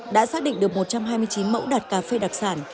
đã xác định được một trăm hai mươi chín mẫu đặt cà phê đặc sản